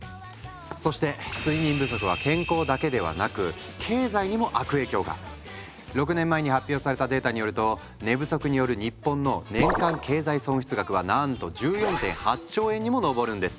そして睡眠不足は健康だけではなく経済にも悪影響が⁉６年前に発表されたデータによると寝不足による日本の年間経済損失額はなんと１４．８兆円にも上るんです。